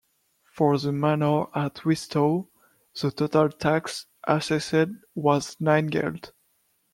For the manor at Wistow the total tax assessed was nine geld.